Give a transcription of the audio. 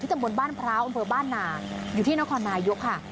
ที่เต็มบนบ้านพร้าวอ่อมเภอบ้านนาอยู่ที่นครนายุกค่ะ